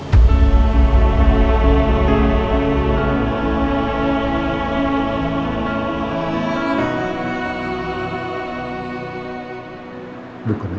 tenang ya bukan kenapaific